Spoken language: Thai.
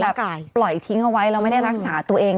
บางคนแบบปล่อยทิ้งเอาไว้แล้วไม่ได้รักษาตัวเอง